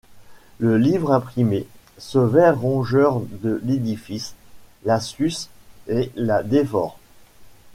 Le livre imprimé, ce ver rongeur de l’édifice, la suce et la dévore.